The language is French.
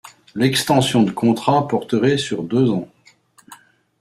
L’extension de contrat porterait sur deux ans.